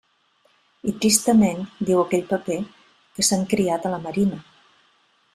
I tristament, diu aquell paper, que s'han criat a la Marina.